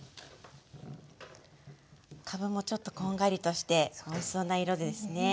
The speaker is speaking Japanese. かぶもちょっとこんがりとしておいしそうな色ですね。